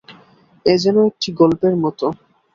এ যেন একটি গল্পের মতো।